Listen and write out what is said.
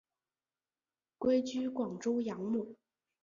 归居广州养母。